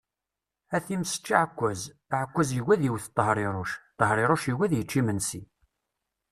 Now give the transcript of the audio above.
A times ečč aɛekkaz! Aɛekkaz yugi ad iwwet Tehriruc, Tehriruc yugi ad yečč imensi.